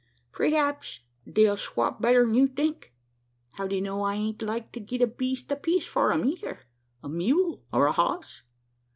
Preehaps they'll swop better'n you think. How d'ye know I ain't like to git a beest apiece for 'em eyther a mule or a hoss?